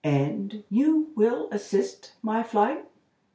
"And you will assist my flight?"